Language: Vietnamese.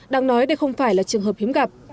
đang nói đây không phải là trường hợp hiếm gặp